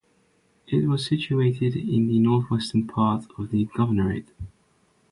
It was situated in the northwestern part of the governorate.